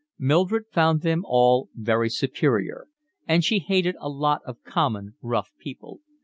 Mildred found them all very superior, and she hated a lot of common, rough people.